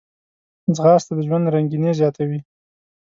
ځغاسته د ژوند رنګیني زیاتوي